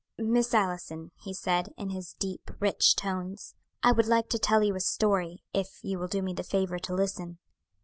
"Miss Allison," he said, in his deep, rich tones, "I would like to tell you a story, if you will do me the favor to listen."